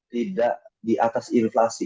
tidak di atas inflasi